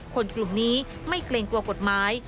คนกลุ่มนี้ไม่เกรงกลัวกฎหมาย